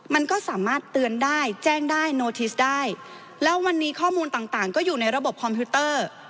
มันก็สามารถเตือนได้แจ้งได้โนทิสได้แล้ววันนี้ข้อมูลต่างต่างก็อยู่ในระบบคอมพิวเตอร์